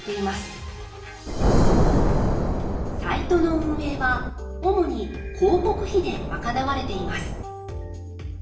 サイトの運営は主に広告費で賄われています。